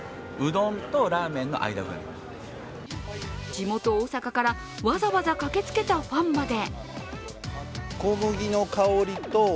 地元・大阪からわざわざ駆けつけたファンまで。